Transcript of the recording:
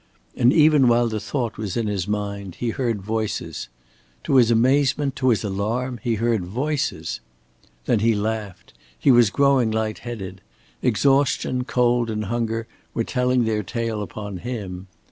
And even while the thought was in his mind, he heard voices. To his amazement, to his alarm, he heard voices! Then he laughed. He was growing light headed. Exhaustion, cold and hunger were telling their tale upon him.